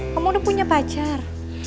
kamu udah punya pacar